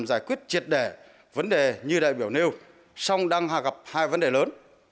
giải quyết triệt đẻ vấn đề như đại biểu nêu song đang gặp hai vấn đề lớn